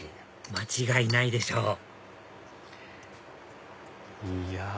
間違いないでしょういや！